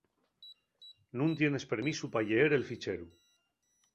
Nun tienes permisu pa lleer el ficheru.